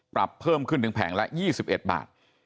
ปรับเพิ่มขึ้นถึงแผงละ๒๑บาท